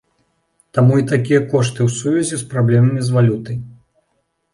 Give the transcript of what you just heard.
Таму і такія кошты ў сувязі з праблемамі з валютай.